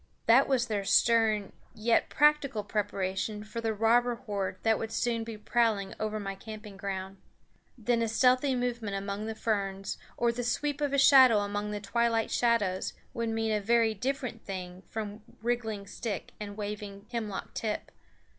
That was their stern yet, practical preparation for the robber horde that would soon be prowling over my camping ground. Then a stealthy movement among the ferns or the sweep of a shadow among the twilight shadows would mean a very different thing from wriggling stick and waving hemlock tip.